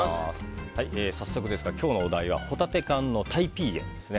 早速ですが今日のお題はホタテ缶のタイピーエンです。